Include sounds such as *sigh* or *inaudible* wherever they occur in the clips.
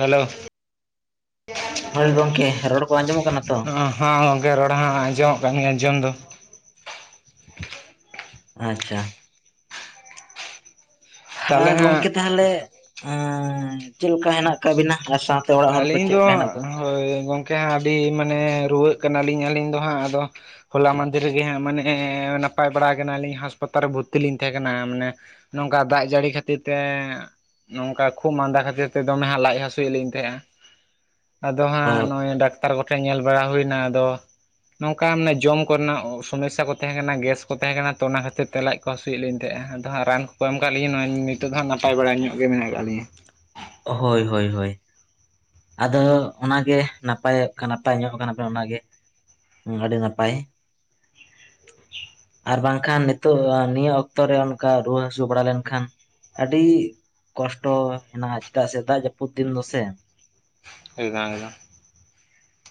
Hello ᱦᱳᱭ ᱜᱚᱝᱠᱮ *inaudible* ᱨᱚᱲ ᱠᱚ ᱟᱸᱡᱚᱢᱚᱜ ᱠᱟᱱᱟ ᱛᱚ *inaudible* ᱦᱚᱸ ᱜᱚᱢᱠᱮ ᱨᱚᱲ ᱦᱚᱸ ᱟᱸᱡᱚᱢᱚᱜ ᱠᱟᱱ ᱜᱮᱭᱟᱸ ᱟᱸᱡᱚᱢ ᱫᱚ, ᱟᱪᱪᱷᱟ ᱦᱟᱸ ᱛᱟᱦᱚᱞᱮ ᱟᱨ ᱜᱚᱝᱠᱮ ᱦᱟᱸᱜ ᱛᱟᱦᱚᱞᱮ, ᱮᱸᱻ ᱪᱮᱫ ᱞᱮᱠᱟ ᱦᱮᱱᱟᱜ ᱠᱟᱜ ᱵᱤᱱᱟ ᱟᱨ ᱥᱟᱶᱛᱮ ᱚᱲᱟᱜ ᱦᱚᱲ ᱠᱚ ᱟᱹᱞᱤᱧ ᱪᱮᱫ ᱫᱚ ᱞᱮᱠᱟ ᱦᱮᱱᱟᱜ ᱠᱚ, ᱦᱳᱭ ᱜᱚᱢᱠᱮ ᱦᱟᱸᱜ ᱟᱹᱰᱤ ᱢᱟᱱᱮ ᱨᱩᱣᱟᱹᱜ ᱠᱟᱱᱟ ᱞᱤᱧ ᱟᱹᱞᱤᱧ ᱫᱚ ᱦᱟᱸᱜ ᱟᱫᱚ, ᱦᱚᱞᱟ ᱢᱟᱸᱫᱮᱨ ᱨᱮᱜᱮ ᱦᱟᱸᱜ ᱢᱟᱱᱮ ᱱᱟᱯᱟᱭ ᱵᱟᱲᱟ ᱠᱟᱱᱟ ᱞᱤᱧ ᱦᱟᱥᱯᱟᱛᱟᱞ ᱨᱮ ᱵᱷᱚᱨᱛᱤ ᱞᱤᱧ ᱛᱟᱦᱮᱸ ᱠᱟᱱᱟ ᱢᱟᱱᱮ, ᱱᱚᱝᱠᱟ ᱫᱟᱜ ᱡᱟᱹᱲᱤ ᱠᱷᱟᱹᱛᱤᱨ ᱛᱮ, ᱱᱚᱝᱠᱟ ᱠᱷᱩᱜ ᱢᱟᱸᱫᱟ ᱠᱷᱟᱹᱛᱤᱨ ᱛᱮ ᱫᱚᱢᱮ ᱦᱟᱸᱜ ᱞᱟᱡ ᱦᱟᱹᱥᱩ ᱭᱮᱫ ᱞᱤᱧ, ᱛᱟᱦᱮᱸᱜᱼᱟ ᱟᱫᱚ ᱦᱟᱸᱜ ᱱᱚᱜᱼᱚᱭ ᱰᱟᱠᱛᱟᱨ ᱠᱚᱴᱷᱮᱱ ᱧᱮᱞ ᱵᱟᱲᱟ ᱦᱩᱭᱱᱟ ᱟᱫᱚ ᱾ ᱱᱚᱝᱠᱟ ᱢᱟᱱᱮ ᱡᱚᱢ ᱠᱚᱨᱮᱱᱟᱜ ᱥᱚᱢᱚᱥᱥᱟ ᱠᱚ ᱛᱟᱦᱮᱸ ᱠᱟᱱᱟ, ᱜᱮᱥ ᱠᱚ ᱛᱟᱦᱮᱸ ᱠᱟᱱᱟ ᱛᱚ ᱚᱱᱟ ᱠᱷᱟᱹᱛᱤᱨ ᱛᱮ ᱞᱟᱡ ᱠᱚ ᱦᱟᱹᱥᱩᱭᱮᱫ ᱞᱤᱧ ᱛᱟᱦᱮᱸᱭᱟ, ᱟᱫᱚ ᱦᱟᱸᱜ ᱨᱟᱱ ᱠᱚᱠᱚ ᱮᱢ ᱠᱟᱜ ᱞᱤᱧᱟᱹ ᱱᱚᱜᱼᱚᱭ ᱱᱤᱛᱚᱜ ᱫᱚ ᱦᱟᱸᱜ ᱱᱟᱯᱟᱭ ᱵᱟᱲᱟ ᱧᱚᱜ ᱜᱮ ᱢᱮᱱᱟᱜ ᱠᱟᱜ ᱞᱤᱧᱟᱹ᱾ ᱚᱼ ᱦᱳᱭ ᱦᱳᱭ ᱦᱳᱭ ᱟᱫᱚ ᱚᱱᱟᱜᱮ ᱱᱟᱯᱟᱭᱚᱜ ᱱᱟᱯᱟᱭ ᱧᱚᱜ ᱠᱟᱱᱟ ᱯᱮ ᱚᱱᱟᱜᱮ, ᱟᱹᱰᱤ ᱱᱟᱯᱟᱭ᱾ ᱟᱨ ᱵᱟᱝᱠᱷᱟᱱ ᱱᱤᱛᱚᱜ ᱱᱤᱭᱟᱹ ᱚᱠᱛᱚᱨᱮ ᱚᱱᱠᱟ ᱨᱩᱣᱟᱹ ᱦᱟᱹᱥᱩ ᱵᱟᱲᱟ ᱞᱮᱱᱠᱷᱟᱱ ᱟᱹᱰᱤ, ᱠᱚᱥᱴᱚ ᱦᱮᱱᱟᱜᱼᱟ, ᱪᱮᱫᱟᱜ ᱥᱮ ᱫᱟᱜ ᱡᱟᱹᱯᱩᱫ ᱫᱤᱱ ᱫᱚᱥᱮ *inaudible*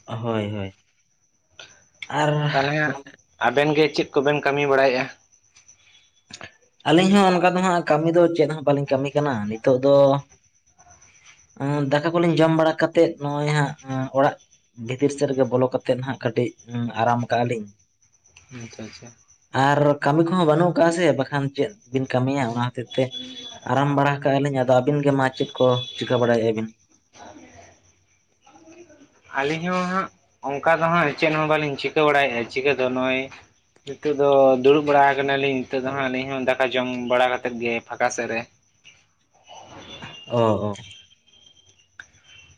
ᱦᱳᱭ ᱦᱳᱭ ᱛᱟᱦᱚᱞᱮ ᱟᱨᱼᱼ ᱦᱟᱸᱜ ᱜᱚᱢᱠᱮ ᱟᱵᱮᱱ ᱜᱮ ᱪᱮᱫ ᱠᱚᱵᱮᱱ ᱠᱟᱹᱢᱤ ᱵᱟᱲᱟᱭᱮᱫᱼᱟ? ᱟᱹᱞᱤᱧ ᱦᱚᱸ ᱚᱱᱠᱟ ᱫᱚ ᱦᱟᱸᱜ ᱠᱟᱹᱢᱤ ᱫᱚ ᱪᱮᱫ ᱦᱚᱸ ᱵᱟᱹᱞᱤᱧ ᱠᱟᱹᱢᱤ ᱠᱟᱱᱟ, ᱱᱤᱛᱚᱜ ᱫᱚ ᱫᱟᱠᱟ ᱠᱚᱞᱤᱧ ᱡᱚᱢ ᱵᱟᱲᱟ ᱠᱟᱛᱮᱜ ᱱᱚᱜᱼᱚᱭ ᱦᱟᱸᱜ ᱚᱲᱟᱜ ᱵᱷᱤᱛᱤᱨ ᱥᱮᱫ ᱨᱮᱜᱮ ᱵᱚᱞᱚ ᱠᱟᱛᱮᱫ ᱦᱟᱜ ᱠᱟᱹᱴᱤᱡ ᱟᱨᱟᱢ ᱟᱠᱟᱜ ᱟᱞᱤᱧ ᱾ *inaudible* ᱟᱨ ᱠᱟᱹᱢᱤ ᱠᱚᱦᱚᱸ ᱵᱟᱹᱱᱩᱜ ᱟᱠᱟᱫ ᱟᱥᱮ, ᱵᱟᱠᱷᱟᱱ ᱪᱮᱫ ᱵᱤᱱ ᱠᱟᱹᱢᱤᱭᱟ ᱚᱱᱟ ᱦᱚᱛᱤᱨ ᱛᱮ ᱟᱨᱟᱢ ᱵᱟᱲᱟ ᱟᱠᱟᱜ ᱟᱞᱤᱧ, ᱟᱫᱚ ᱟᱹᱵᱤᱱ ᱜᱮ ᱢᱟ ᱪᱮᱫ ᱠᱚ ᱪᱤᱠᱟᱹ ᱵᱟᱲᱟᱭᱮᱫ ᱟᱵᱤᱱ? *unintelligible* ᱟᱹᱞᱤᱧ ᱦᱚᱸ ᱦᱟᱸᱜ ᱚᱱᱠᱟ ᱫᱚ ᱦᱟᱸᱜ ᱪᱮᱫ ᱦᱚᱸ ᱵᱟᱹᱞᱤᱧ ᱪᱤᱠᱟᱹ ᱵᱟᱲᱟ ᱮᱫᱼᱟ, ᱪᱤᱠᱟᱹ ᱫᱚ ᱱᱚᱜᱼᱚᱭ ᱱᱤᱛᱚᱜ ᱫᱚ ᱫᱩᱲᱩᱵ ᱵᱟᱲᱟ ᱟᱠᱟᱱᱟᱞᱤᱧ ᱱᱤᱛᱚᱜ ᱫᱚ ᱦᱟᱸᱜ ᱟᱹᱞᱤᱧ ᱦᱚᱸ ᱫᱟᱠᱟ ᱡᱚᱢ ᱵᱟᱲᱟ ᱠᱟᱛᱮᱫ ᱜᱮ ᱯᱷᱟᱸᱠᱟ ᱥᱮᱫ ᱨᱮ ᱾ ᱚᱼ ᱚᱼ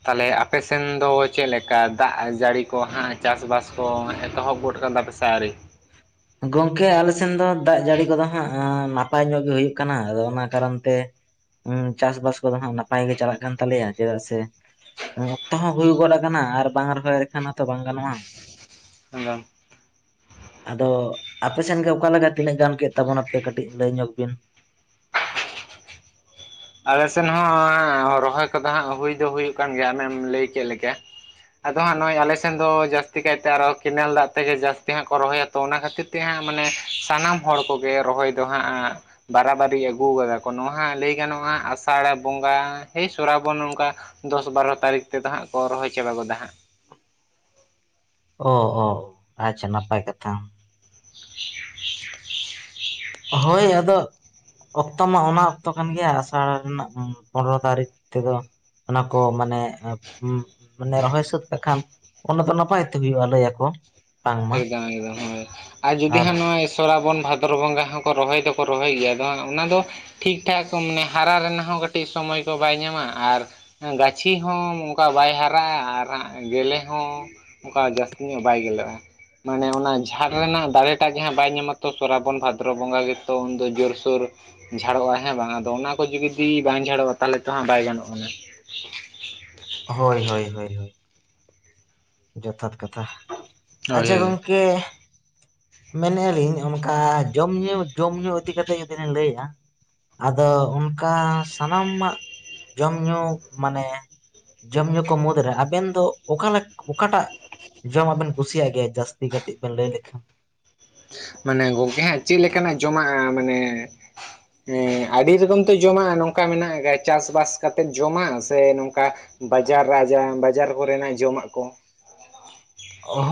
ᱛᱟᱦᱚᱞᱮ ᱟᱯᱮ ᱥᱮᱱ ᱫᱚ ᱪᱮᱫ ᱞᱮᱠᱟ? ᱫᱟᱜ ᱡᱟᱹᱲᱤ ᱠᱚ ᱦᱟᱸᱜ ᱪᱟᱥ-ᱵᱟᱥ ᱠᱚ ᱮᱛᱚᱦᱚᱵ ᱜᱚᱫ ᱟᱠᱟᱫ ᱟᱯᱮ? ᱥᱟᱲᱤ ᱜᱚᱢᱠᱮ ᱟᱞᱮ ᱥᱮᱱ ᱫᱚ ᱫᱟᱜ ᱡᱟᱹᱲᱤ ᱠᱚᱫᱚ ᱦᱟᱸᱜ ᱱᱟᱯᱟᱭ ᱧᱚᱜ ᱜᱮ ᱦᱩᱭᱩᱜ ᱠᱟᱱᱟ, ᱟᱫᱚ ᱚᱱᱟ ᱠᱟᱨᱚᱱ ᱛᱮ ᱦᱩᱸ ᱪᱟᱥ- ᱵᱟᱥ ᱠᱚᱫᱚ ᱦᱟᱜ ᱱᱟᱯᱟᱭ ᱜᱮ ᱪᱟᱞᱟᱜ ᱠᱟᱱ ᱛᱟᱞᱮᱭᱟ ᱾ ᱪᱮᱫᱟᱜ ᱥᱮ ᱚᱠᱛᱚ ᱦᱚᱸ ᱦᱩᱭ ᱜᱚᱫ ᱟᱠᱟᱱᱟ ᱟᱨ ᱵᱟᱝ ᱨᱚᱦᱚᱭ ᱞᱮᱠᱷᱟᱱ ᱦᱚᱸᱛᱚ ᱵᱟᱝ ᱜᱟᱱᱚᱜᱼᱟ ᱾ *inaudible* ᱟᱫᱚ ᱟᱯᱮᱥᱮᱱ ᱜᱮ ᱚᱠᱟᱞᱮᱠᱟ ᱛᱤᱱᱟᱹᱜ ᱜᱟᱱ ᱠᱮᱫ ᱛᱟᱵᱚᱱᱟᱯᱮ ᱠᱟᱹᱴᱤᱡ ᱞᱟᱹᱭ ᱧᱚᱜᱽ ᱵᱤᱱ? ᱟᱞᱮ ᱥᱮᱫ ᱦᱚᱸ ᱨᱚᱦᱚᱭ ᱠᱚᱫᱚ ᱦᱟᱸᱜ ᱦᱩᱭ ᱫᱚ ᱦᱩᱭᱩᱜ ᱠᱟᱱ ᱜᱮᱭᱟ ᱟᱢᱮᱢ ᱞᱟᱹᱭ ᱠᱮᱫ ᱞᱮᱠᱟ ᱾ ᱟᱫᱚ ᱦᱟᱸᱜ ᱱᱚᱜᱼᱚᱭ ᱟᱞᱮᱥᱮᱱ ᱫᱚ ᱡᱟᱹᱥᱛᱤ ᱠᱟᱭᱛᱮ ᱟᱨᱦᱚᱸ ᱠᱮᱱᱮᱞ ᱫᱟᱜ ᱛᱮᱜᱮ ᱡᱟᱹᱥᱛᱤ ᱦᱟᱸᱜ ᱠᱚ ᱨᱚᱦᱚᱭᱟ ᱾ ᱛᱚ ᱚᱱᱟ ᱠᱷᱟᱹᱛᱤᱨ ᱛᱮ ᱦᱟᱸᱜ ᱢᱟᱱᱮ ᱥᱟᱱᱟᱢ ᱦᱚᱲ ᱠᱚᱜᱮ ᱨᱚᱦᱚᱭ ᱫᱚ ᱦᱟᱸᱜ ᱵᱟᱨᱟᱵᱟᱨᱤ ᱟᱹᱜᱩ ᱟᱠᱟᱫ ᱟᱠᱚ ᱱᱚᱣᱟ ᱦᱟᱸᱜ ᱞᱟᱹᱭ ᱜᱟᱱᱚᱜᱼᱟ, ᱟᱥᱟᱲ ᱵᱚᱸᱜᱟ ᱥᱮ ᱥᱨᱟᱵᱚᱱ ᱱᱚᱝᱠᱟ ᱫᱚᱥ ᱵᱟᱨᱚ ᱛᱟᱹᱨᱤᱠᱷ ᱛᱮᱫᱚ ᱦᱟᱸᱜ ᱠᱚ ᱨᱚᱦᱚᱭ ᱪᱟᱵᱟ ᱜᱚᱫᱟ ᱦᱟᱸᱜ ᱾ ᱚᱼ ᱚ ᱟᱪᱪᱷᱟ ᱱᱟᱯᱟᱭ ᱠᱟᱛᱷᱟ ᱾ *unintelligible* ᱦᱳᱭ ᱟᱫᱚ ᱚᱠᱛᱚ ᱢᱟ ᱚᱱᱟ ᱚᱠᱛᱚ ᱠᱟᱱ ᱜᱮᱭᱟ ᱟᱥᱟᱲ ᱨᱮᱱᱟᱜ ᱯᱚᱸᱫᱽᱨᱚ ᱛᱟᱹᱨᱤᱠᱷ ᱛᱮᱫᱚ ᱚᱱᱟ ᱠᱚ ᱢᱟᱱᱮ ᱩᱸ ᱢᱟᱱᱮ ᱨᱚᱦᱚᱭ ᱥᱟᱹᱛ ᱠᱟ ᱠᱷᱟᱱᱮᱢ ᱚᱱᱟ ᱫᱚ ᱱᱟᱯᱟᱭ ᱛᱮ ᱦᱩᱭᱩᱜᱼᱟ ᱞᱟᱹᱭ ᱟᱠᱚ ᱾ ᱮᱠᱫᱚᱢ ᱮᱠᱫᱚᱢ ᱦᱳᱭ ᱟᱨ ᱡᱩᱫᱤ ᱦᱟᱸᱜ ᱱᱚᱜᱼᱚᱭ ᱥᱚᱨᱟᱵᱚᱱ ᱵᱷᱟ ᱵᱚᱨ ᱵᱚᱸᱜᱟ ᱦᱚᱸᱠᱚ ᱨᱚᱦᱚᱭ ᱫᱚᱠᱚ ᱨᱚᱦᱚᱭ ᱜᱮᱭᱟ ᱟᱫᱚ ᱦᱟᱜ ᱚᱱᱟ ᱫᱚ ᱴᱷᱤᱠᱴᱷᱟᱠ ᱢᱟᱱᱮ ᱦᱟᱨᱟ ᱨᱮᱱᱟᱜ ᱦᱚᱸ ᱠᱟᱹᱴᱤᱡ ᱥᱚᱢᱚᱭ ᱠᱚ ᱵᱟᱭ ᱧᱟᱢᱟ ᱟᱨ ᱜᱟᱹᱪᱷᱤ ᱦᱚᱸ ᱚᱱᱠᱟ ᱵᱟᱭ ᱦᱟᱨᱟᱜᱼᱟ ᱟᱨ ᱜᱮᱞᱮ ᱦᱚᱸ ᱚᱱᱠᱟ ᱡᱟᱹᱥᱛᱤ ᱞᱚᱜ ᱵᱟᱭ ᱜᱮᱞᱚᱜᱼᱟ ᱢᱟᱱᱮ ᱚᱱᱟ ᱡᱷᱟᱲ ᱨᱮᱱᱟᱜ ᱫᱟᱲᱮ ᱴᱟᱜ ᱡᱟᱦᱟᱸ ᱵᱟᱭ ᱧᱟᱢᱟ ᱛᱚ ᱥᱨᱟᱵᱚᱱ ᱵᱷᱟᱫᱨᱚ ᱵᱚᱸᱜᱟ ᱜᱮᱛᱚ ᱩᱱᱫᱚ ᱡᱳᱨᱥᱳᱨ ᱡᱷᱟᱲᱚᱜᱼᱟ ᱦᱮᱸ ᱵᱟᱝᱼᱟ ᱟᱫᱚ ᱚᱱᱟ ᱠᱚ ᱡᱩᱫᱤ ᱵᱟᱝ ᱡᱷᱟᱲᱚᱜᱼᱟ ᱛᱟᱦᱚᱞᱮ ᱛᱚ ᱦᱟᱸᱜ ᱵᱟᱭ ᱜᱟᱱᱚᱜᱼᱟ ᱱᱟᱜ ᱾ ᱦᱳᱭ ᱦᱳᱭ ᱦᱳᱭ ᱦᱳᱭ ᱡᱚᱛᱷᱟᱛ ᱠᱟᱛᱷᱟ ᱦᱳᱭ ᱟᱪᱪᱷᱟ ᱦᱳᱭ ᱜᱚᱝᱠᱮ ᱢᱮᱱᱮᱜᱼᱟ ᱞᱤᱧ ᱚᱱᱠᱟ ᱡᱚᱢ ᱧᱩ ᱡᱚᱢ ᱧᱩ ᱤᱫᱤ ᱠᱟᱛᱮ ᱡᱩᱫᱤ ᱞᱤᱧ ᱞᱟᱹᱭᱮᱜᱼᱟ ᱟᱫᱚ ᱚᱱᱠᱟ ᱥᱟᱱᱟᱢᱟᱜ ᱡᱚᱢ ᱧᱩ ᱢᱟᱱᱮ ᱡᱚᱢ ᱧᱩ ᱠᱚ ᱢᱩᱫᱽᱨᱮ ᱟᱵᱮᱱ ᱫᱚ ᱚᱠᱟ ᱞᱮ ᱚᱠᱟᱴᱟᱜ ᱡᱚᱢᱟᱜ ᱵᱮᱱ ᱠᱩᱥᱤᱭᱟᱜ ᱜᱮᱭᱟ ᱡᱟᱹᱥᱛᱤ? ᱠᱟᱹᱴᱤᱡ ᱵᱮᱱ ᱞᱟᱹᱭ ᱞᱮᱠᱷᱟᱱ ᱢᱟᱱᱮ ᱜᱚᱢᱠᱮ ᱦᱟᱸᱜ ᱪᱮᱫ ᱞᱮᱠᱟᱱᱟᱜ ᱡᱚᱢᱟᱜ? ᱢᱟᱱᱮ ᱟᱹᱰᱤ ᱨᱚᱠᱚᱢ ᱛᱚ ᱡᱚᱢᱟᱜ ᱱᱚᱝᱠᱟ ᱢᱮᱱᱟᱜ ᱠᱟᱜᱼᱟ ᱪᱟᱥᱼᱵᱟᱥ ᱠᱟᱛᱮ ᱡᱚᱢᱟᱜ ᱥᱮ ᱱᱚᱝᱠᱟ ᱵᱟᱡᱟᱨ ᱨᱟᱡᱟ ᱵᱟᱡᱟᱨ ᱠᱚ ᱨᱮᱱᱟᱜ ᱡᱚᱢᱟᱜ ᱠᱚ ᱾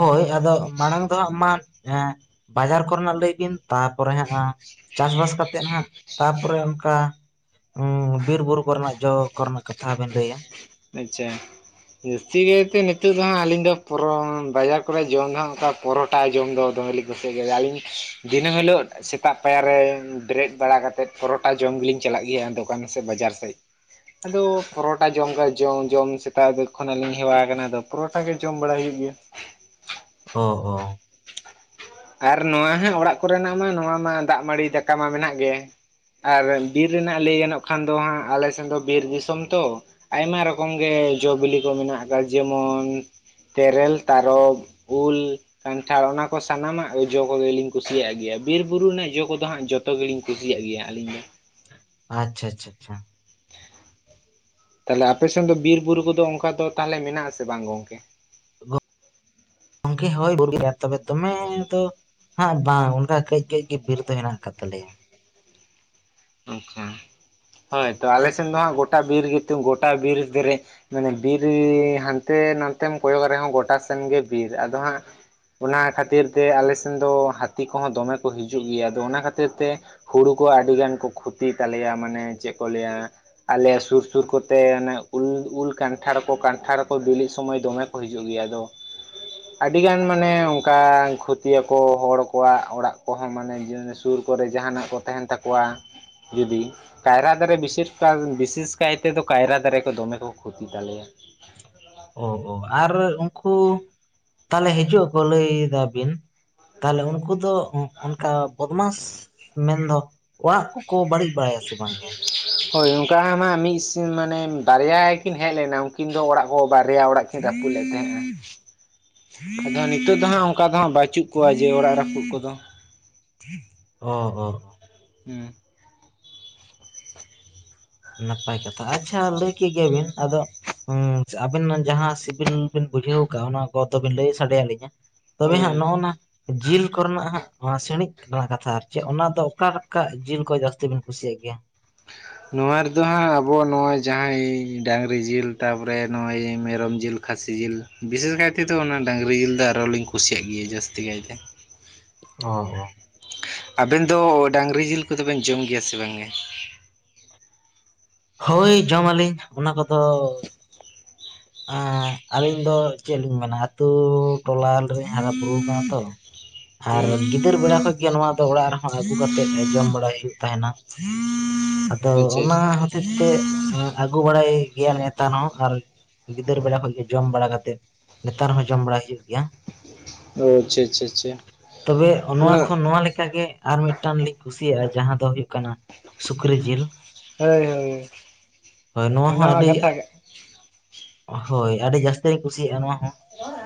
ᱦᱳᱭ ᱟᱫᱚ ᱢᱟᱲᱟᱝ ᱫᱚ ᱦᱟᱜ ᱢᱟ ᱮ ᱵᱟᱡᱟᱨ ᱠᱚ ᱨᱮᱱᱟᱜ ᱞᱟᱹᱭ ᱵᱤᱱ ᱛᱟᱨᱯᱚᱨᱮ ᱦᱟᱸᱜ ᱼᱼ ᱪᱟᱥᱵᱟᱥ ᱠᱟᱛᱮᱫ ᱦᱟᱜ ᱛᱟᱯᱚᱨᱮ ᱚᱱᱠᱟᱼᱼ ᱚ ᱵᱤᱨ ᱵᱩᱨᱩ ᱠᱚ ᱨᱮᱱᱟᱜ ᱡᱚ ᱠᱚ ᱨᱮᱱᱟᱜ ᱠᱟᱛᱷᱟ ᱵᱤᱱ ᱞᱟᱹᱭᱟᱼᱼ ᱟᱪᱪᱷᱟ ᱡᱟᱹᱥᱛᱤ ᱠᱟᱭᱛᱮ ᱱᱤᱛᱚᱜ ᱫᱚ ᱦᱟᱸᱜ ᱟᱹᱞᱤᱧ ᱫᱚ ᱯᱚᱨᱚ ᱵᱟᱡᱟᱨ ᱠᱚᱨᱮ ᱡᱚᱢ ᱫᱚ ᱱᱟᱦᱟᱜ ᱚᱱᱠᱟᱼᱼ ᱯᱚᱨᱚᱴᱟ ᱡᱚᱢ ᱫᱚ ᱫᱚᱢᱮᱞᱤᱧ ᱠᱩᱥᱤᱭᱟᱜ ᱜᱮᱭᱟ ᱟᱞᱤᱧᱼᱼ ᱫᱤᱱᱟᱹᱢ ᱦᱤᱞᱳᱜ ᱥᱮᱛᱟᱜ ᱯᱟᱭᱟᱨ ᱨᱮ ᱵᱮᱨᱮᱫ ᱵᱟᱲᱟ ᱠᱟᱛᱮᱫ ᱯᱚᱨᱚᱴᱟ ᱡᱚᱢ ᱜᱮᱞᱤᱧ ᱪᱟᱞᱟᱜ ᱜᱮᱭᱟ ᱟᱫᱚ *unintelligible* ᱥᱮ ᱵᱟᱡᱟᱨ ᱥᱮᱫ ᱟᱫᱚ ᱯᱚᱨᱚᱴᱟ ᱡᱚᱢ ᱠᱟᱛᱮ ᱡᱚᱢᱼ ᱡᱚᱢ ᱥᱮᱛᱟᱜ ᱠᱷᱚᱱᱟᱜ ᱞᱤᱧ ᱦᱮᱣᱟ ᱟᱠᱟᱱᱟ ᱟᱫᱚ ᱯᱚᱨᱚᱴᱟ ᱜᱮ ᱡᱚᱢ ᱵᱟᱲᱟᱭ ᱦᱩᱭᱩᱜ ᱜᱮᱭᱟ᱾ ᱚ ᱚ ᱟᱨ ᱱᱚᱣᱟ ᱦᱟᱸᱜ ᱚᱲᱟᱜ ᱠᱚᱨᱮᱱᱟᱜ ᱢᱟ ᱱᱚᱣᱟ ᱢᱟ ᱫᱟᱜ ᱢᱟᱲᱤ ᱫᱟᱠᱟ ᱢᱟ ᱢᱮᱱᱟᱜ ᱜᱮ᱾ ᱟᱨ ᱵᱤᱨ ᱨᱮᱱᱟᱜ ᱞᱟᱹᱭ ᱜᱟᱱᱚᱜ ᱠᱷᱟᱱ ᱫᱚ ᱦᱟᱸᱜ ᱟᱞᱮᱥᱮᱱ ᱫᱚ ᱵᱤᱨ ᱫᱤᱥᱚᱢ ᱛᱚ ᱟᱭᱢᱟ ᱨᱚᱠᱚᱢ ᱜᱮ ᱡᱚᱼ ᱵᱤᱞᱤ ᱠᱚ ᱢᱮᱱᱟᱜ ᱟᱠᱟᱫᱟ ᱡᱮᱢᱚᱱᱼᱼ ᱛᱮᱨᱮᱞ ᱛᱟᱨᱚᱵ ᱩᱞ ᱠᱟᱱᱴᱷᱟᱲ ᱚᱱᱟ ᱠᱚᱼᱼ ᱥᱟᱱᱟᱢᱟᱜ ᱡᱚ ᱠᱚᱜᱮᱞᱤᱧ ᱠᱩᱥᱤᱭᱟᱜ ᱜᱮᱭᱟ ᱵᱤᱨ ᱵᱩᱨᱩ ᱨᱮᱱᱟᱜ ᱡᱚ ᱠᱚᱫᱚ ᱦᱟᱸᱜ ᱡᱚᱛᱚ ᱜᱮᱞᱤᱧ ᱠᱩᱥᱤᱭᱟᱜ ᱜᱮᱭᱟ ᱟᱞᱤᱧ ᱫᱚ᱾ ᱟᱪᱪᱷᱟ ᱟᱪᱪᱷᱟ ᱟᱪᱪᱷᱟ ᱛᱟᱦᱞᱮ ᱟᱯᱮᱥᱮᱱ ᱫᱚ ᱵᱤᱨ ᱵᱩᱨᱩ ᱠᱚᱫᱚ ᱚᱱᱠᱟ ᱫᱚ ᱛᱟᱦᱚᱞᱮ ᱢᱮᱱᱟᱜᱼᱟ ᱥᱮ ᱵᱟᱝ ᱜᱚᱝᱠᱮ? ᱜᱚᱝᱠᱮ ᱦᱳᱭ *unintelligible* ᱛᱚᱵᱮ ᱫᱚᱢᱮ ᱛᱚᱼᱼ ᱦᱟᱸᱜ ᱵᱟᱝ ᱚᱱᱠᱟ ᱠᱟᱹᱡ ᱠᱟᱹᱡ ᱜᱮ ᱵᱤᱨ ᱫᱚ ᱦᱮᱱᱟᱜ ᱠᱟᱫ ᱛᱟᱞᱮᱭᱟ ᱚᱱᱠᱟ ᱦᱳᱭᱛᱚ ᱟᱪ- ᱟᱞᱮᱥᱮᱱ ᱫᱚ ᱦᱟᱸᱜ ᱜᱚᱴᱟ ᱵᱤᱨ ᱜᱮᱛᱩ ᱜᱚᱴᱟ ᱵᱤᱨ ᱯᱮᱨᱮᱡ ᱾ ᱢᱟᱱᱮ ᱵᱤᱨ ᱦᱟᱱᱛᱮ ᱱᱟᱱᱛᱮᱢ ᱠᱚᱭᱚᱜ ᱨᱮᱦᱚᱸ ᱜᱚᱴᱟ ᱥᱮᱱ ᱜᱮ ᱵᱤᱨ ᱟᱫᱚ ᱦᱟᱸᱜᱼᱼ ᱚᱱᱟ ᱠᱷᱟᱛᱤᱨ ᱛᱮ ᱟᱞᱮ ᱥᱮᱱ ᱫᱚ ᱦᱟᱸᱛᱤ ᱠᱚᱦᱚᱸ ᱫᱚᱢᱮ ᱠᱚ ᱦᱤᱡᱩᱜ ᱜᱮᱭᱟ ᱟᱫᱚ ᱚᱱᱟ ᱠᱷᱟᱹᱛᱤᱨ ᱛᱮᱼᱼ ᱦᱩᱲᱩ ᱠᱚ ᱟᱰᱤ ᱜᱟᱱ ᱠᱚ ᱠᱷᱩᱛᱤ ᱛᱟᱞᱮᱭᱟ ᱢᱟᱱᱮ ᱪᱮᱫ ᱠᱚ ᱞᱟᱹᱭᱟᱼᱼ ᱟᱞᱮ ᱥᱩᱨ ᱥᱩᱨ ᱠᱚᱛᱮ ᱚᱱᱮ ᱩᱞ ᱩᱞ ᱠᱟᱱᱴᱷᱟᱲ ᱠᱚ ᱠᱟᱱᱴᱷᱟᱲ ᱠᱚ ᱵᱤᱞᱤᱜ ᱥᱚᱢᱚᱭ ᱫᱚᱢᱮ ᱼᱼ ᱠᱚ ᱦᱤᱡᱩᱜ ᱜᱮᱭᱟ ᱟᱫᱚᱼᱼ ᱟᱹᱰᱤᱜᱟᱱ ᱢᱟᱱᱮ ᱚᱱᱠᱟ ᱠᱷᱩᱛᱤᱭᱟ ᱠᱚ ᱦᱚᱲ ᱠᱚᱣᱟᱜ ᱚᱲᱟᱜ ᱠᱚᱦᱚᱸ ᱢᱟᱱᱮᱼᱼ ᱥᱩᱨ ᱠᱚᱨᱮ ᱡᱟᱦᱟᱱᱟᱜ ᱠᱚ ᱛᱟᱦᱮᱱ ᱛᱟᱠᱚᱣᱟ᱾ ᱡᱩᱫᱤᱼᱼ ᱠᱟᱭᱨᱟ ᱫᱟᱨᱮ ᱵᱤᱥᱤᱨ ᱠᱟᱞ ᱵᱤᱥᱮᱥ ᱠᱟᱭ ᱛᱮᱫᱚ ᱠᱟᱭᱨᱟ ᱫᱟᱨᱮ ᱠᱚ ᱫᱚᱢᱮ ᱠᱚ ᱠᱷᱩᱛᱤ ᱛᱟᱞᱮᱭᱟ᱾ ᱚ ᱦᱚ ᱟᱨ ᱩᱱᱠᱩᱼᱼ ᱛᱟᱦᱚᱞᱮ ᱦᱤᱡᱩᱜ ᱟᱠᱚ ᱞᱟᱹᱭ ᱫᱟ ᱵᱤᱱ ᱛᱟᱦᱚᱞᱮ ᱩᱱᱠᱩ ᱫᱚᱼᱼ ᱚᱱᱠᱟ ᱵᱚᱫᱢᱟᱥ ᱢᱮᱱᱫᱚ ᱚᱲᱟᱜ ᱠᱚᱠᱚ ᱵᱟᱹᱲᱤᱡ ᱵᱟᱲᱟᱭᱟ ᱥᱮ ᱵᱟᱝ ᱜᱮ? *inaudible* ᱦᱳᱭ ᱚᱱᱠᱟ ᱢᱟ ᱢᱤᱫ ᱢᱟᱱᱮ ᱵᱟᱨᱭᱟ ᱠᱤᱱ ᱦᱮᱡ ᱞᱮᱱᱟ ᱩᱱᱠᱤᱱ ᱫᱚ ᱚᱲᱟᱜ ᱠᱚ ᱵᱟᱨᱭᱟ ᱚᱲᱟᱜ ᱠᱤ- ᱱ ᱨᱟᱹᱯᱩᱫ ᱞᱮᱫ ᱛᱟᱦᱮᱸᱜ ᱼ ᱟ ᱟᱫᱚ ᱱᱤᱛᱚᱜ ᱫᱚ ᱦᱟᱸᱜ ᱚᱱᱠᱟ ᱫᱚ ᱦᱟᱸᱜ ᱵᱟᱪᱩᱜ ᱠᱚᱣᱟ ᱡᱮ ᱚᱲᱟᱜ ᱨᱟᱹᱯᱩᱫ ᱠᱚᱫᱚ ᱚ ᱚ ᱚ ᱦᱩᱸ ᱱᱟᱯᱟᱭ ᱠᱟᱛᱷᱟ ᱟᱪᱪᱷᱟ ᱞᱟᱹᱭ ᱠᱮᱜ ᱜᱮᱭᱟ ᱵᱤᱱ ᱟᱫᱚ ᱦᱩᱸ ᱟᱵᱤᱱ ᱡᱟᱦᱟᱸ ᱥᱤᱵᱤᱞ ᱵᱤᱱ ᱵᱩᱡᱷᱟᱹᱣ ᱣᱟᱠᱟᱜ-ᱟ ᱚᱱᱟ ᱠᱚᱫᱚᱵᱤᱱ ᱞᱟᱹᱭ ᱥᱟᱰᱮ ᱭᱟᱹᱞᱤᱧᱟ ᱛᱚᱵᱮ ᱦᱳᱭ ᱦᱟᱸᱜ ᱦᱳᱭ ᱱᱚᱜᱽᱚᱱᱟ ᱡᱤᱞ ᱠᱚᱨᱮᱱᱟᱜ ᱦᱟᱸᱜ ᱥᱤᱬᱤᱡ ᱨᱮᱱᱟᱜ ᱠᱟᱛᱷᱟ ᱟᱨ ᱪᱮᱫ ᱚᱱᱟ ᱫᱚ ᱚᱠᱟ ᱠᱟᱜ ᱡᱤᱞ ᱠᱚ ᱡᱟᱹᱥᱛᱤ ᱵᱤᱱ ᱠᱩᱥᱤᱭᱟᱜ ᱜᱮᱭᱟ ᱱᱚᱣᱟ ᱨᱮᱫᱚ ᱦᱟᱸᱜ ᱟᱵᱚ ᱱᱚᱜᱼᱚᱭ ᱡᱟᱦᱟᱸᱭ ᱰᱟᱝᱨᱤ ᱡᱤᱞ ᱛᱟᱯᱚᱨᱮ ᱱᱚᱜᱼᱚᱭ ᱢᱮᱨᱚᱢ ᱡᱤᱞ ᱠᱷᱟᱹᱥᱤ ᱡᱤᱞ ᱵᱤᱥᱮᱥ ᱠᱟᱭ ᱛᱮᱫᱚ ᱚᱱᱟ ᱰᱟᱝᱨᱤ ᱡᱤᱞ ᱫᱚ ᱟᱨᱚᱞᱤᱧ ᱠᱩᱥᱤᱭᱟᱜ ᱜᱮᱭᱟ ᱡᱟᱹᱥᱛᱤ ᱠᱟᱭᱛᱮ ᱚ ᱦᱚᱸ ᱟᱵᱮᱱ ᱫᱚ ᱰᱟᱝᱨᱤ ᱡᱤᱞ ᱠᱚᱫᱚᱵᱮᱱ ᱡᱚᱢ ᱜᱮᱭᱟ ᱥᱮ ᱵᱟᱝᱜᱮ ᱦᱳᱭ ᱡᱚᱢᱟᱞᱤᱧ ᱚᱱᱟ ᱠᱚᱫᱚ ᱮᱸ ᱟᱹᱞᱤᱧ ᱫᱚ ᱪᱮᱫ ᱞᱤᱧ ᱢᱮᱱᱟ ᱟᱹᱛᱩ ᱴᱚᱞᱟ ᱨᱮᱞᱤᱧ ᱦᱟᱨᱟ ᱵᱩᱨᱩ ᱠᱟᱱᱟ ᱛᱚ ᱟᱨ ᱦᱩᱸ ᱜᱤᱫᱟᱹᱨ ᱵᱮᱲᱟ ᱠᱷᱚᱡ ᱜᱮ ᱱᱚᱣᱟ ᱫᱚ ᱚᱲᱟᱜ ᱨᱮᱦᱚᱸ ᱟᱹᱜᱩ ᱠᱟᱛᱮᱫ ᱡᱚᱢ ᱵᱟᱲᱟᱭ ᱦᱩᱭᱩᱜ ᱛᱟᱦᱮᱱᱟ ᱟᱫᱚ ᱟᱪᱪᱷᱟ ᱚᱱᱟ ᱟᱪᱪᱷᱟ ᱦᱚᱛᱮᱫ ᱛᱮ ᱟᱹᱜᱩ ᱵᱟᱲᱟᱭ ᱜᱮᱭᱟ ᱱᱮᱛᱟᱨ ᱦᱚᱸ ᱟᱨ ᱜᱤᱫᱟᱹᱨ ᱵᱮᱲᱟ ᱠᱷᱚᱡ ᱜᱮ ᱡᱚᱢ ᱵᱟᱲᱟ ᱠᱟᱛᱮᱮᱫ ᱱᱮᱛᱟᱨ ᱦᱚᱸ ᱡᱚᱢ ᱵᱟᱲᱟ ᱦᱩᱭᱩᱜ ᱜᱮᱭᱟ ᱚ ᱟᱪᱪᱷᱟ ᱟᱪᱪᱷᱟ ᱟᱪᱪᱷᱟ ᱛᱚᱵᱮ ᱱᱚᱣᱟ ᱚᱱᱟ ᱠᱷᱚᱱ ᱱᱚᱣᱟ ᱞᱮᱠᱟ ᱜᱮ ᱟᱨ ᱢᱤᱫᱴᱟᱝ ᱞᱤᱧ ᱠᱩᱥᱤᱭᱟᱜᱼᱟ ᱡᱟᱦᱟᱸ ᱫᱚ ᱦᱩᱭᱩᱜ ᱠᱟᱱᱟ ᱥᱩᱠᱨᱤ ᱡᱤᱞ ᱦᱳᱭ ᱦᱳᱭ ᱦᱳᱭ ᱱᱚᱣᱟ ᱦᱚᱸ ᱚᱱᱟᱢᱟ ᱟᱹᱰᱤ ᱠᱟᱛᱷᱟ ᱜᱟ ᱦᱳᱭ ᱟᱹᱰᱤ ᱡᱟᱹᱥᱛᱤ ᱞᱤᱧ ᱠᱩᱥᱤᱭᱟᱜᱼᱟ ᱱᱚᱣᱟ ᱦᱚᱸ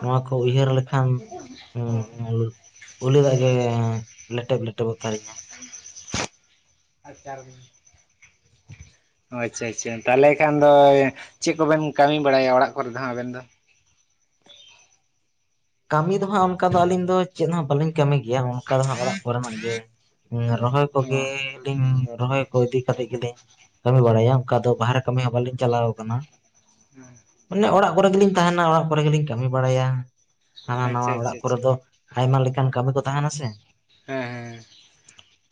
ᱱᱚᱣᱟ ᱠᱚ ᱩᱭᱦᱟᱹᱨ ᱞᱮᱠᱷᱟᱱ ᱚ ᱦᱩᱸ ᱩᱞᱤᱫᱟᱜᱽ ᱜᱮ ᱞᱮᱴᱮᱵ ᱞᱮᱴᱮᱵᱚᱜ ᱛᱟᱦᱮᱟ ᱟ ᱪᱟᱨ *inaudible* ᱚ ᱟᱪᱪᱷᱟ ᱟᱪᱪᱷᱟ ᱛᱟᱦᱚᱞᱮ ᱠᱷᱟᱱ ᱫᱚ ᱪᱮᱫ ᱠᱚᱵᱮᱱ ᱠᱟᱹᱢᱤ ᱵᱟᱲᱟᱭᱟ ᱚᱲᱟᱜ ᱠᱚᱨᱮ ᱫᱚ ᱦᱟᱜ ᱟᱵᱮᱱ ᱫᱚ ᱠᱟᱹᱢᱤ ᱫᱚ ᱦᱟᱸᱜ ᱚᱱᱠᱟ ᱫᱚ ᱟᱹᱞᱤᱧ ᱫᱚ ᱪᱮᱫ ᱦᱚᱸ ᱵᱟᱹᱞᱤᱧ ᱠᱟᱹᱢᱤ ᱜᱮᱭᱟ ᱚᱱᱠᱟ ᱫᱚ ᱦᱟᱸᱜ ᱚᱲᱟᱜ ᱠᱚᱨᱮᱱᱟᱜ ᱜᱮ ᱨᱚᱦᱚᱭ ᱚ ᱠᱚᱜᱮᱞᱤᱧ ᱨᱚᱦᱚᱭ ᱦᱳᱭ ᱤᱫᱤ ᱠᱟᱛᱮᱫ ᱜᱮᱞᱤᱧ ᱠᱟᱹᱢᱤ ᱵᱟᱲᱟᱭᱟ ᱚᱱᱠᱟ ᱫᱚ ᱵᱟᱦᱨᱮ ᱠᱟᱹᱢᱤ ᱦᱚᱸ ᱵᱟᱹᱞᱤᱧ ᱪᱟᱞᱟᱣᱟ ᱠᱟᱱᱟ ᱦᱩᱸ ᱢᱟᱱᱮ ᱚᱲᱟᱜ ᱠᱚᱨᱮ ᱜᱮᱞᱤᱧ ᱛᱟᱦᱮᱱᱟ ᱚᱲᱟᱜ ᱠᱚᱨᱮ ᱜᱮᱞᱤᱧ ᱠᱟᱹᱢᱤ ᱵᱟᱲᱟᱭᱟ ᱦᱟᱱᱟ ᱱᱷᱟᱣᱟ ᱟᱪᱪᱷᱟ ᱚᱲᱟᱜ ᱟᱪᱪᱷᱟ ᱠᱚᱨᱮ ᱟᱪᱪᱷᱟ ᱫᱚ ᱟᱭᱢᱟ ᱞᱮᱠᱟᱱ ᱠᱟᱹᱢᱤ ᱠᱚ ᱛᱟᱦᱮᱸᱱᱟ ᱥᱮ ᱦᱮᱸ ᱦᱮᱸ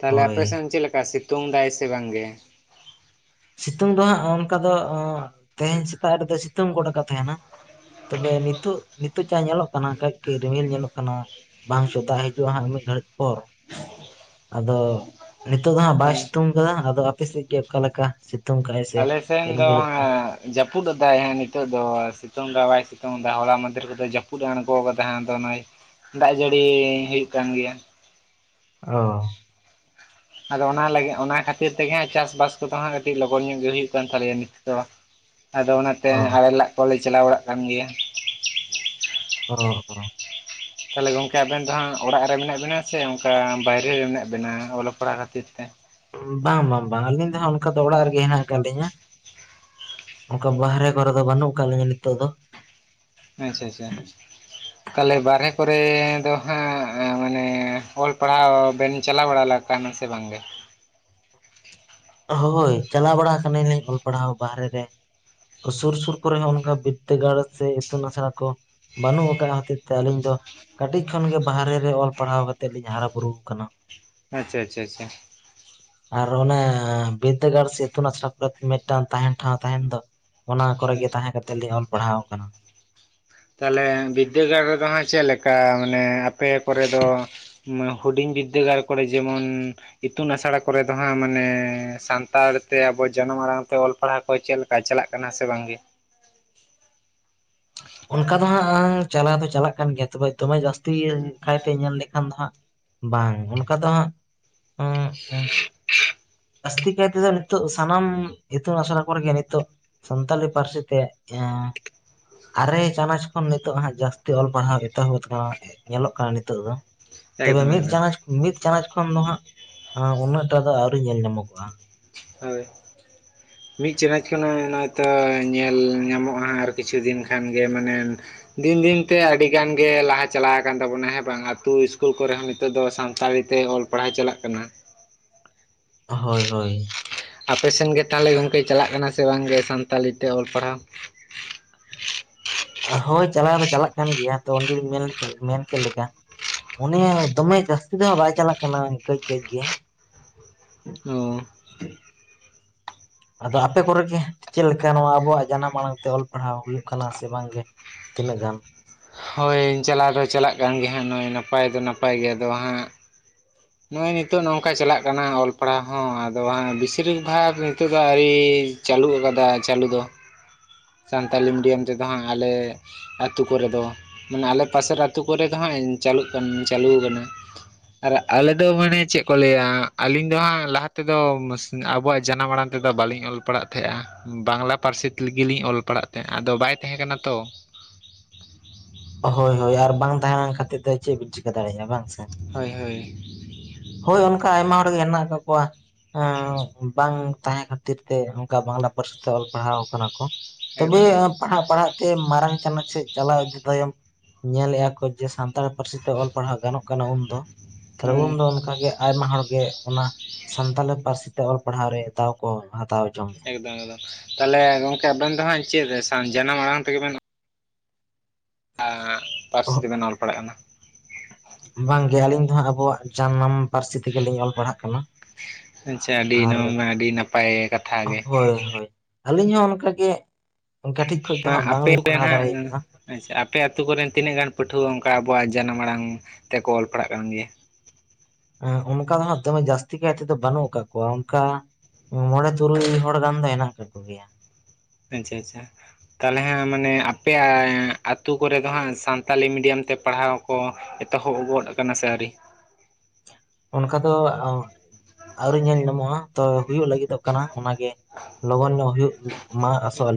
ᱛᱟᱦᱞᱮ ᱦᱳᱭ ᱟᱯᱮᱥᱮᱱ ᱪᱮᱫ ᱞᱮᱠᱟ ᱥᱤᱛᱩᱝ ᱫᱟᱭ ᱥᱮ ᱵᱟᱝ ᱜᱮ ᱥᱤᱛᱩᱝ ᱫᱚ ᱦᱟᱸᱜ ᱚᱱᱠᱟ ᱫᱚ ᱚᱸ ᱛᱮᱦᱮᱧ ᱥᱮᱛᱟᱜ ᱨᱮ ᱫᱚᱭ ᱥᱤᱛᱩᱝ ᱜᱚᱫ ᱟᱠᱟᱫ ᱛᱟᱦᱮᱱᱟ ᱛᱚᱵᱮ ᱱᱤᱛᱩᱜ ᱱᱤᱛᱩᱜ ᱪᱟ ᱧᱮᱞᱚᱜ ᱠᱟᱱᱟ ᱠᱟᱹᱡ ᱠᱟᱹᱡ ᱨᱤᱢᱤᱞ ᱧᱮᱞᱚᱜ ᱠᱟᱱᱟ ᱵᱟᱝ ᱥᱚᱫᱟᱜᱽ ᱦᱤᱡᱩᱜᱼᱟ ᱦᱟᱸᱜ ᱢᱤᱫ ᱜᱷᱟᱹᱲᱤᱡ ᱯᱚᱨ ᱟᱫᱚ ᱱᱤᱛᱚᱜ ᱫᱚ ᱦᱟᱸᱜ ᱵᱟᱭ ᱦᱮᱸ ᱥᱤᱛᱩᱝ ᱟᱠᱟᱫᱟ ᱟᱫᱚ ᱟᱯᱮᱥᱮᱫ ᱜᱮ ᱚᱠᱟᱞᱮᱠᱟ ᱥᱤᱛᱩᱝ ᱠᱟᱜ ᱟᱭ ᱟᱞᱮ ᱥᱮᱱ ᱫᱚ ᱦᱟᱸ ᱡᱟᱹᱯᱩᱫᱟᱭ ᱦᱮᱸ ᱱᱤᱛᱚᱜ ᱫᱚ ᱥᱤᱛᱩᱝ ᱫᱚ ᱵᱟᱭ ᱥᱤᱛᱩᱝ ᱮᱫᱟ ᱦᱚᱞᱟ ᱢᱚᱫᱷᱮᱨ ᱨᱚᱫᱚᱭ ᱡᱟᱹᱯᱩᱫ ᱟᱬᱜᱚ ᱟᱠᱟᱫᱟ ᱱᱷᱟᱜ ᱟᱫᱚ ᱱᱚᱜᱽ ᱚᱭ ᱫᱟᱜᱽ ᱡᱟᱹᱲᱤ ᱦᱩᱭᱩᱜ ᱠᱟᱱ ᱜᱮᱭᱟ ᱚ ᱟᱫᱚ ᱚᱱᱟ ᱞᱟᱹᱜᱤᱫ ᱚᱱᱟ ᱠᱷᱟᱹᱛᱤᱨ ᱛᱮᱜᱮ ᱦᱟᱸᱜ ᱪᱟᱥᱼᱵᱟᱥ ᱠᱚᱫᱚ ᱦᱟᱸᱜ ᱠᱟᱹᱴᱤᱡ ᱞᱚᱜᱚᱱ ᱧᱚᱜ ᱜᱮ ᱦᱩᱭᱩᱜ ᱠᱟᱱ ᱛᱟᱞᱮᱭᱟ ᱱᱤᱛᱚ ᱫᱚ ᱟᱫᱚ ᱚᱱᱟᱛᱮ ᱚ ᱟᱲᱮ ᱞᱟᱜᱽ ᱠᱚᱞᱮ ᱪᱟᱞᱟᱣ ᱵᱟᱲᱟᱜ ᱠᱟᱱ ᱜᱮᱭᱟ ᱚ ᱦᱳ ᱛᱟᱦᱚᱞᱮ ᱜᱚᱝᱠᱮ ᱟᱵᱮᱱ ᱫᱚ ᱦᱟᱸᱜ ᱚᱲᱟᱜ ᱨᱮ ᱢᱮᱱᱟᱜ ᱵᱤᱱᱟ ᱥᱮ ᱚᱱᱠᱟ ᱵᱟᱭᱨᱮ ᱨᱮ ᱢᱮᱱᱟᱜ ᱵᱤᱱᱟ ᱚᱞᱚᱜ ᱯᱟᱲᱦᱟᱜ ᱠᱷᱟᱹᱛᱤᱨ ᱛᱮ ᱵᱟᱝ ᱵᱟᱝ ᱵᱟᱝ ᱟᱹᱞᱤᱧ ᱫᱚᱦᱟᱸᱜ ᱚᱱᱠᱟ ᱫᱚ ᱚᱲᱟᱜ ᱨᱮᱜᱮ ᱦᱮᱱᱟᱜ ᱠᱟᱜ ᱞᱤᱧᱟᱹ ᱚᱱᱠᱟ ᱵᱟᱦᱨᱮ ᱠᱚᱨᱮ ᱫᱚ ᱵᱟᱹᱱᱩᱜ ᱟᱠᱟᱫ ᱞᱤᱧᱟᱹ ᱱᱤᱛᱚᱜ ᱫᱚ ᱟᱪᱪᱷᱟ ᱟᱪᱪᱷᱟ *inaudible* ᱛᱟᱦᱞᱮ ᱵᱟᱨᱦᱮ ᱠᱚᱨᱮ ᱫᱚ ᱦᱟᱸᱜ ᱢᱟᱱᱮ ᱚᱞ ᱯᱟᱲᱦᱟᱣ ᱵᱮᱱ ᱪᱟᱞᱟᱣ ᱵᱟᱲᱟ *unintelligible* ᱠᱟᱱᱟ ᱥᱮ ᱵᱟᱝᱜᱮ? ᱦᱳᱭ ᱪᱟᱞᱟᱣ ᱵᱟᱲᱟ ᱟᱠᱟᱱᱟᱞᱤᱧ ᱚᱞ ᱯᱟᱲᱦᱟᱣ ᱵᱟᱦᱨᱮ ᱨᱮ᱾ ᱥᱩᱨ ᱥᱩᱨ ᱠᱚᱨᱮ ᱦᱚᱸ ᱚᱱᱠᱟ ᱵᱤᱫᱽᱫᱟᱹᱜᱟᱲ ᱥᱮ ᱤᱛᱩᱱ ᱟᱥᱲᱟ ᱠᱚ ᱵᱟᱹᱱᱩᱜ ᱟᱠᱟᱫ ᱦᱚᱛᱤᱨ ᱛᱮ ᱟᱹᱞᱤᱧ ᱫᱚ ᱠᱟᱹᱴᱤᱡ ᱠᱷᱚᱱᱜᱮ ᱵᱟᱦᱨᱮ ᱨᱮ ᱚᱞ ᱯᱟᱲᱦᱟᱣ ᱠᱟᱛᱮᱫ ᱞᱤᱧ ᱦᱟᱨᱟ ᱵᱩᱨᱩ ᱟᱠᱟᱱᱟ᱾ ᱟᱪᱪᱷᱟ ᱟᱪᱷᱟ ᱟᱪᱪᱷᱟ ᱟᱨ ᱚᱱᱮ ᱵᱤᱨᱫᱟᱹᱜᱟᱲ ᱥᱮ ᱤᱛᱩᱱ ᱟᱥᱲᱟ ᱠᱚᱨᱮ ᱢᱤᱫᱴᱟᱱ ᱛᱟᱦᱮᱱ ᱴᱷᱟᱶ ᱛᱟᱦᱮᱱ ᱫᱚ᱾ ᱚᱱᱟ ᱠᱚᱨᱮ ᱜᱮ ᱛᱟᱦᱮᱸ ᱠᱟᱛᱮᱫ ᱞᱤᱧ ᱚᱞ ᱯᱟᱲᱦᱟᱣ ᱠᱟᱱᱟ᱾ ᱛᱟᱦᱚᱞᱮ ᱵᱤᱫᱽᱫᱟᱹᱜᱟᱲ ᱨᱮᱫᱚ ᱦᱟᱸᱜ ᱪᱮᱫ ᱞᱮᱠᱟ ᱢᱟᱱᱮ ᱟᱯᱮ ᱠᱚᱨᱮ ᱫᱚ ᱦᱩᱰᱤᱧ ᱵᱤᱫᱽᱫᱟᱹᱜᱟᱲ ᱠᱚᱨᱮ ᱡᱮᱢᱚᱱ ᱤᱛᱩᱱ ᱟᱥᱲᱟ ᱠᱚᱨᱮ ᱫᱚ ᱦᱟᱸᱜ ᱢᱟᱱᱮ ᱥᱟᱱᱛᱟᱲ ᱛᱮ ᱟᱵᱚ ᱡᱟᱱᱟᱢ ᱟᱲᱟᱝ ᱛᱮ ᱚᱞ ᱯᱟᱲᱦᱟᱣ ᱠᱚ ᱪᱮᱫ ᱞᱮ ᱠᱟ ᱪᱟᱞᱟᱜ ᱠᱟᱱᱟ ᱥᱮ ᱵᱟᱝ ᱜᱮ? ᱚᱱᱠᱟ ᱫᱚ ᱦᱟᱸᱜ ᱪᱟᱞᱟᱣ ᱫᱚ ᱪᱟᱞᱟᱜ ᱠᱟᱱ ᱜᱮᱭᱟ ᱛᱚᱵᱮ ᱫᱚᱢᱮ ᱡᱟᱹᱥᱛᱤ ᱠᱟᱭᱛᱮ ᱧᱮᱞ ᱞᱮᱠᱷᱟᱱ ᱫᱚ ᱦᱟᱸᱜ ᱵᱟᱝ ᱚᱱᱠᱟ ᱫᱚ ᱦᱟᱸᱜ ᱩᱸᱜ ᱩᱸᱜ ᱡᱟᱹᱥᱛᱤ ᱠᱟᱭᱛᱮ ᱫᱚ ᱱᱤᱛᱚ ᱥᱟᱱᱟᱢ ᱤᱛᱩᱱ ᱟᱥᱱᱟ ᱠᱚᱨᱮᱜ ᱱᱤᱛᱳᱜ ᱥᱟᱱᱛᱟᱞᱤ ᱯᱟᱹᱨᱥᱤ ᱛᱮ ᱮᱸᱭᱟ ᱟᱨᱮ ᱪᱟᱱᱟᱪ ᱠᱷᱚᱱ ᱱᱤᱛᱚᱜ ᱦᱟᱸᱜ ᱡᱟᱹᱥᱛᱤ ᱚᱞ ᱯᱟᱲᱦᱟᱣ ᱮᱛᱚᱦᱚᱵ ᱠᱟᱱᱟ ᱧᱮᱞᱚᱜ ᱠᱟᱱᱟ ᱱᱤᱛᱚᱜ ᱫᱚ᱾ ᱛᱚᱵᱮ ᱮᱠᱫᱚᱢ ᱢᱤᱫ ᱮᱠᱫᱚᱢ᱾ ᱪᱟᱱᱟᱪ ᱢᱤᱫ ᱪᱟᱱᱟᱪ ᱠᱷᱚᱱ ᱫᱚ ᱦᱟᱸᱜ ᱩᱱᱟᱹᱜ ᱴᱟᱜ ᱫᱚ ᱟᱹᱣᱨᱤ ᱧᱮᱞ ᱧᱟᱢᱚᱜᱚᱜᱼᱟ᱾ ᱦᱳᱭ *unintelligible* ᱢᱤᱫ ᱪᱟᱱᱟᱪ ᱠᱷᱚᱱᱟᱜ ᱦᱚᱭᱛᱚ ᱧᱮᱞ ᱧᱟᱢᱚᱜᱼᱟ ᱟᱨ ᱠᱤᱪᱷᱩ ᱫᱤᱱ ᱠᱷᱟᱱ ᱜᱮ ᱢᱟᱱᱮ ᱫᱤᱱ ᱫᱤᱱ ᱛᱮ ᱟᱹᱰᱤ ᱜᱟᱱ ᱜᱮ ᱞᱟᱦᱟ ᱪᱟᱞᱟᱣ ᱟᱠᱟᱱ ᱛᱟᱵᱚᱱᱟ ᱦᱮᱸ ᱵᱟᱝ ᱟᱛᱩ ᱤᱥᱠᱩᱞ ᱠᱚᱨᱮ ᱦᱚᱸ ᱱᱤᱛᱚᱜ ᱫᱚ ᱥᱟᱱᱛᱟᱲᱤ ᱛᱮ ᱚᱞ ᱯᱟᱲᱦᱟᱣ ᱪᱟᱞᱟᱜ ᱠᱟᱱᱟ᱾ ᱦᱳᱭ ᱦᱳᱭ ᱟᱯᱮ ᱥᱮᱱ ᱜᱮ ᱛᱟᱦᱚᱞᱮ ᱜᱚᱝᱠᱮ ᱪᱟᱞᱟᱜ ᱠᱟᱱᱟ ᱥᱮ ᱵᱟᱝᱜᱮ ᱥᱟᱱᱛᱟᱞᱤᱛᱮ ᱚᱞ ᱯᱟᱲᱦᱟᱣ? ᱦᱳᱭ ᱪᱟᱞᱟᱣ ᱫᱚ ᱪᱟᱞᱟᱜ ᱠᱟᱱ ᱜᱮᱭᱟ ᱛᱚ ᱚᱸᱰᱮᱤᱧ ᱢᱮᱱ ᱠᱮᱫ ᱞᱮᱠᱟ, ᱚᱱᱤᱦᱚ ᱫᱚᱢᱮ ᱡᱟᱹᱥᱛᱤ ᱫᱚ ᱵᱟᱭ ᱪᱟᱞᱟᱜ ᱠᱟᱱᱟ ᱠᱟᱹᱡ ᱠᱟᱹᱡ ᱜᱮ᱾ ᱚ ᱟᱫᱚ ᱟᱯᱮ ᱠᱚᱨᱮᱜᱮ ᱪᱮᱫ ᱞᱮᱠᱟ ᱱᱚᱣᱟ ᱟᱵᱚᱣᱟᱜ ᱡᱟᱱᱟᱢ ᱟᱲᱟᱝ ᱛᱮ ᱚᱞ ᱯᱟᱲᱦᱟᱣ ᱦᱩᱭᱩᱜ ᱠᱟᱱᱟ ᱥᱮ ᱵᱟᱝᱜᱮ? ᱛᱤᱱᱟᱹᱜ ᱜᱟᱱ ᱦᱳᱭ ᱪᱟᱞᱟᱣ ᱫᱚ ᱪᱟᱞᱟᱜ ᱠᱟᱱ ᱜᱮ ᱦᱟᱸᱜ ᱱᱚᱜᱼᱚᱭ ᱱᱟᱯᱟᱭ ᱫᱚ ᱱᱟᱯᱟᱭ ᱜᱮ ᱟᱫᱚ ᱦᱟᱸᱜ ᱱᱚᱜᱼᱚᱭ ᱱᱤᱛᱚᱜ ᱱᱚᱝᱠᱟ ᱪᱟᱞᱟᱜ ᱠᱟᱱᱟ ᱚᱞ ᱯᱟᱲᱦᱟᱣ ᱦᱚᱸ ᱟᱫᱚ ᱵᱟᱝ ᱵᱮᱥᱤᱨᱤᱱ ᱵᱷᱟᱜᱽ ᱱᱤᱛᱚᱜ ᱫᱚ ᱟᱹᱣᱨᱤ ᱪᱟᱹᱞᱩ ᱟᱠᱟᱫᱟ ᱪᱟᱹᱞᱩ ᱫᱚ, *unintelligible* ᱥᱟᱱᱛᱟᱲᱤ ᱢᱤᱰᱤᱭᱟᱢ ᱛᱮᱫᱚ ᱦᱟᱸᱜ ᱟᱞᱮ ᱟᱹᱛᱩᱳ ᱠᱚᱨᱮ ᱫᱚ ᱢᱟᱱᱮ ᱟᱞᱮ ᱯᱟᱥᱮᱨ ᱟᱹᱛᱩ ᱠᱚᱨᱮ ᱫᱚ ᱦᱟᱸᱜ ᱪᱟᱞᱩ ᱠᱟᱱᱟ ᱪᱟᱹᱞᱩ ᱠᱟᱱᱟ᱾ ᱟᱞᱮᱫᱚ ᱢᱟᱱᱮ ᱪᱮᱫ ᱠᱚ ᱞᱟᱹᱭᱟ ᱟᱹᱞᱤᱧ ᱫᱚ ᱦᱟᱸᱜ ᱞᱟᱦᱟ ᱛᱮᱫᱚ ᱟᱵᱚᱣᱟᱜ ᱡᱟᱱᱟᱢ ᱟᱲᱟᱝ ᱛᱮᱫᱚ ᱵᱟᱹᱞᱤᱧ ᱚᱞ ᱚᱞ ᱯᱟᱲᱟᱜ ᱛᱟᱦᱮᱸᱜᱼᱟ, ᱵᱟᱝᱞᱟ ᱯᱟᱹᱨᱥᱤ ᱛᱮᱜ ᱞᱤᱧ ᱚᱞ ᱯᱟᱲᱟᱜ ᱛᱟᱦᱮᱸᱜᱼᱟ ᱟᱫᱚ ᱵᱟᱭ ᱛᱟᱦᱮᱸ ᱠᱟᱱᱟ ᱛᱚ, ᱦᱳᱭ ᱦᱳᱭ ᱟᱨ ᱵᱟᱝ ᱛᱟᱦᱮᱸ ᱞᱮᱱ ᱠᱷᱟᱹᱤᱨ ᱫᱚ ᱪᱮᱫ ᱵᱤᱱ ᱪᱤᱠᱟᱹ ᱫᱟᱲᱮᱭᱟᱜᱼᱟ ᱵᱟᱝ ᱥᱮ? ᱦᱳᱭ ᱦᱳᱭ ᱦᱳᱭ ᱚᱱᱠᱟ ᱟᱭᱢᱟ ᱦᱚᱲᱜᱮ ᱦᱮᱱᱟᱜ ᱠᱫ ᱠᱚᱣᱟ ᱮᱸᱜ ᱵᱟᱝ ᱛᱟᱦᱮᱸ ᱠᱷᱟᱹᱛᱤᱨ ᱛᱮ ᱚᱱᱠᱟ ᱵᱟᱝᱞᱟ ᱯᱟᱹᱨᱥᱤ ᱛᱮ ᱚᱞ ᱯᱟᱲᱦᱟᱣ ᱠᱟᱱᱟ ᱠᱚ᱾ ᱛᱚᱵᱮ ᱮᱠᱫᱚᱢ ᱮᱠᱫᱚᱢ ᱯᱟᱲᱦᱟᱜ ᱯᱟᱲᱦᱟᱜ ᱛᱮ ᱢᱟᱨᱟᱝ ᱪᱟᱱᱟᱪ ᱥᱮᱫ ᱪᱟᱞᱟᱣ ᱤᱫᱤ ᱛᱟᱭᱚᱢ ᱧᱮᱞᱮᱜᱼᱟ ᱠᱚ ᱡᱮ ᱥᱟᱱᱛᱟᱲᱤ ᱯᱟᱹᱨᱥᱤ ᱛᱮ ᱚᱞ ᱯᱟᱲᱦᱟᱣ ᱜᱟᱱᱚᱜ ᱠᱟᱱᱟ ᱩᱱᱫᱚ ᱛᱟᱦᱚᱞᱮ ᱩᱱ ᱦᱳᱭ ᱫᱚ ᱚᱱᱠᱟᱜᱮ ᱟᱭᱢᱟ ᱦᱚᱲ ᱜᱮ ᱚᱱᱟ ᱥᱟᱱᱛᱟᱞᱤ ᱯᱟᱹᱨᱥᱤ ᱛᱮ ᱚᱞ ᱯᱟᱲᱦᱟᱣ ᱨᱮ ᱫᱟᱣ ᱠᱚ ᱦᱟᱛᱟᱣ ᱡᱚᱝ ᱮᱠᱫᱚᱢ ᱮᱠᱫᱚᱢ ᱛᱟᱦᱚᱞᱮ ᱜᱚᱢᱠᱮ ᱟᱵᱮᱱ ᱫᱚᱦᱟᱸᱜ ᱪᱮᱫ ᱡᱟᱱᱟᱢ ᱟᱲᱟᱝ ᱛᱮᱜᱮ ᱵᱮᱱ ᱟᱸᱜ ᱯᱟᱹᱨᱥᱤ ᱛᱮᱵᱮᱱ ᱚᱞ ᱯᱟᱲᱟᱜ ᱠᱟᱱᱟ? ᱵᱟᱝᱜᱮ ᱟᱹᱞᱤᱧ ᱫᱚᱦᱟᱸᱜ ᱟᱵᱚᱣᱟᱜ ᱡᱟᱱᱟᱢ ᱯᱟᱹᱨᱥᱤ ᱛᱮᱜᱮ ᱞᱤᱧ ᱚᱞ ᱯᱟᱲᱦᱟᱜ ᱠᱟᱱᱟ᱾ ᱟᱪᱷᱟ ᱟᱹᱰᱤ ᱟᱨ ᱱᱚᱣᱟ ᱢᱟ ᱟᱹᱰᱤ ᱱᱟᱯᱟᱭ ᱠᱟᱛᱷᱟᱜ ᱜᱮ᱾ ᱦᱳᱭ ᱦᱳᱭ ᱟᱹᱞᱤᱧ ᱦᱚᱸ ᱚᱱᱠᱟᱜ ᱜᱮ ᱠᱟᱹᱴᱷᱤᱡ ᱠᱷᱚᱡ ᱫᱚ ᱦᱟᱸᱜ ᱵᱟᱝᱞᱤᱧ ᱯᱟᱲᱦᱟᱣ ᱫᱟᱲᱮ ᱠᱟᱱᱟ᱾ ᱟᱪᱷᱟ ᱟᱯᱮ ᱟᱛᱩ ᱠᱚᱨᱮᱱ ᱛᱤᱱᱟᱹᱜ ᱜᱟᱱ ᱯᱟᱹᱴᱷᱩᱣᱟᱹ ᱚᱱᱠᱟ ᱟᱵᱚᱣᱟᱜ ᱡᱟᱱᱟᱢ ᱟᱲᱟᱝ ᱛᱮᱠᱚ ᱚᱞ ᱯᱟᱲᱦᱟᱜ ᱠᱟᱱ ᱜᱮ ᱦᱮᱸ ᱚᱱᱠᱟ ᱫᱚ ᱦᱟᱸᱜ ᱫᱚᱢᱮ ᱡᱟᱹᱥᱛᱤ ᱠᱟᱭ ᱛᱮᱫᱚ ᱵᱟᱹᱱᱩᱜ ᱠᱟᱜ ᱠᱚᱣᱟ ᱚᱱᱠᱟ ᱢᱚᱬᱮ ᱛᱩᱨᱩᱭ ᱦᱚᱲ ᱜᱟᱱ ᱫᱚ ᱦᱮᱱᱟᱜ ᱠᱟᱠᱚ ᱜᱮᱭᱟ ᱟᱪᱷᱟ ᱟᱪᱷᱟ ᱛᱟᱦᱚᱞᱮ ᱦᱟᱸᱜ ᱢᱟᱱᱮ ᱟᱯᱮᱭᱟᱜ ᱟᱛᱩ ᱠᱚᱨᱮ ᱫᱚ ᱦᱟᱸᱜ ᱥᱟᱱᱛᱟᱞᱤ ᱢᱤᱰᱤᱭᱟᱢ ᱛᱮ ᱯᱟᱲᱦᱟᱣ ᱠᱚ ᱮᱛᱚᱦᱚᱵ ᱜᱚᱫ ᱟᱠᱟᱱᱟ ᱥᱮ ᱟᱹᱣᱨᱤ ᱚᱱᱠᱟ ᱫᱚ ᱟᱹᱣᱨᱤ ᱧᱮᱞ ᱧᱟᱢᱚᱜᱼᱟ ᱛᱚ ᱦᱩᱭᱩᱜ ᱞᱟᱹᱜᱤᱫᱚᱜ ᱠᱟᱱᱟ ᱚᱱᱟᱜᱮ ᱞᱚᱜᱚᱱ ᱧᱚᱜ ᱦᱩᱭᱩᱜ ᱢᱟ ᱚᱥᱚᱞ